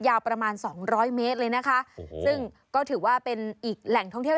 ยาวประมาณสองร้อยเมตรเลยนะคะซึ่งก็ถือว่าเป็นอีกแหล่งท่องเที่ยว